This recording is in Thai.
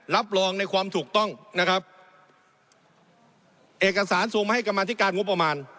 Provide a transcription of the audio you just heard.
รับรองในความถูกต้องนะครับเอกสารส่งมาให้กรรมธิการงบประมาณ